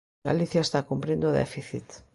Galicia está cumprindo o déficit.